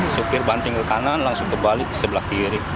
supir banting ke kanan langsung kebalik sebelah kiri